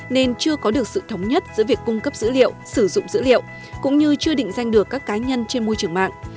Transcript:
nên chưa có được sự thống nhất giữa việc cung cấp dữ liệu sử dụng dữ liệu cũng như chưa định danh được các cá nhân trên môi trường mạng